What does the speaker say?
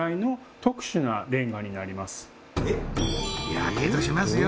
やけどしますよ